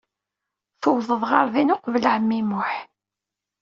Tuwḍeḍ ɣer din uqbel ɛemmi Muḥ.